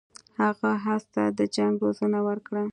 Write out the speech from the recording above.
هغه اس ته د جنګ روزنه ورکړه.